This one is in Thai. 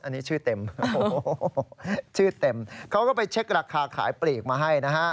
อันนี้ชื่อเต็มเขาก็ไปเช็คราคาขายปลีกมาให้นะฮะ